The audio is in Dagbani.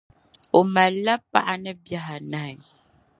O mali la paɣa ni bihi anahi.